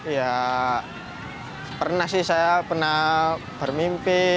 ya pernah sih saya pernah bermimpi